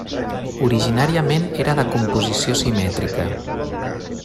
Originàriament era de composició simètrica.